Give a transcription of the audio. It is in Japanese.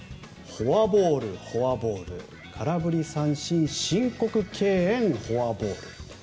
フォアボール、フォアボール空振り三振、申告敬遠フォアボール。